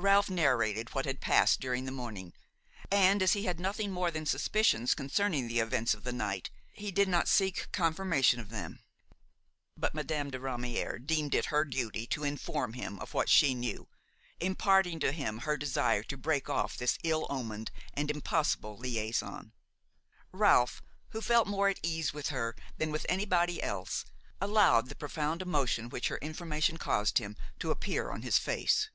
Ralph narrated what had passed during the morning; and, as he had nothing more than suspicions concerning the events of the night, he did not seek confirmation of them. But Madame de Ramière deemed it her duty to inform him of what she knew, imparting to him her desire to break off this ill omened and impossible liaison. Ralph, who felt more at ease with her than with anybody else, allowed the profound emotion which her information caused him to appear on his face.